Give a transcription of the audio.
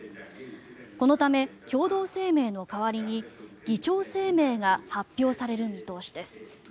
このため共同声明の代わりに議長声明が発表される見通しです。